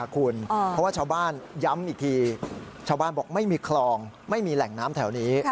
เพราะว่าชาวบ้านย้ำอีกทีชาวบ้านบอกไม่มีคลองไม่มีแหล่งน้ำแถวนี้